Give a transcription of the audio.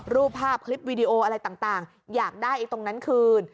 รูปภาพคลิปวิดีโออะไรต่างอยากได้ตรงนั้นคืน